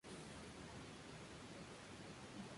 Antes, la camiseta fue azul, más tarde verde y finalmente negra.